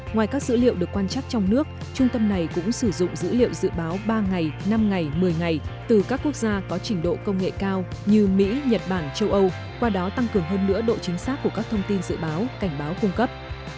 ngoài các dữ liệu được quan chắc trong nước trung tâm này cũng sử dụng dữ liệu dự báo ba ngày năm ngày một mươi ngày từ các quốc gia có trình độ công nghệ cao như mỹ nhật bản châu âu qua đó tăng cường hơn nữa độ chính xác của các thông tin dự báo cảnh báo cung cấp